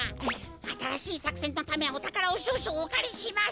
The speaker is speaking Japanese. あたらしいさくせんのためおたからをしょうしょうおかりします。